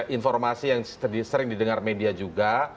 informasi yang sering didengar media juga